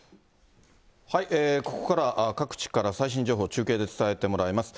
ここからは各地から最新情報を中継で伝えてもらいます。